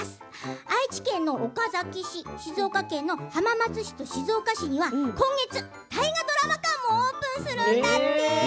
愛知県の岡崎市静岡県の浜松市と静岡市には今月、大河ドラマ館もオープンするんだって。